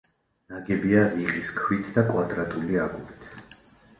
ნაგებია რიყის ქვით და კვადრატული აგურით.